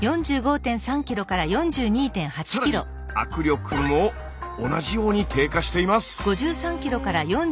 更に握力も同じように低下しています。